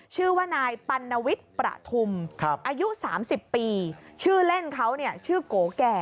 ชื่อว่านายปัณวิทย์ประทุมอายุ๓๐ปีชื่อเล่นเขาเนี่ยชื่อโกแก่